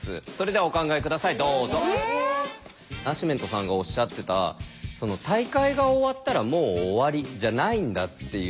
ナシメントさんがおっしゃってた大会が終わったらもう終わりじゃないんだっていう。